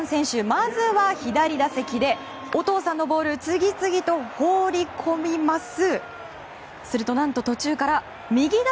まずは、左打席でお父さんのボールを次々と放り込みます。